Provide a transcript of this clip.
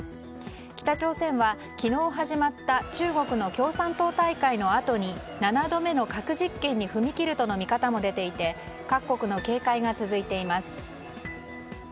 北朝鮮は昨日始まった中国の共産党大会のあとに７度目の核実験に踏み切るとの見方も出ていて各国の警戒が続いています。